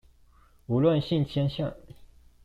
無論性傾向